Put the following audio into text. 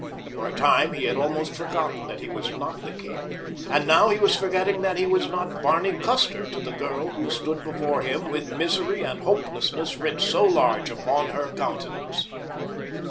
For a time he had almost forgotten that he was not the king, and now he was forgetting that he was not Barney Custer to the girl who stood before him with misery and hopelessness writ so large upon her countenance.